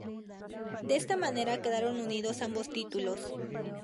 De esta manera quedaron unidos ambos títulos.